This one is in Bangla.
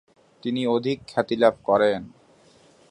তিনি অধিক খ্যাতিলাভ করেন।